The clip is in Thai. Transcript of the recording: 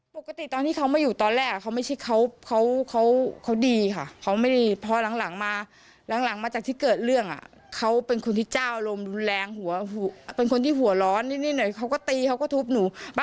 มันคืนน่ะมันตีหนูต้องหอบรูหอบเต้ามาบ้านป้าค่ะสมมุตินะคือถ้าหากว่าเขามาขอแบบ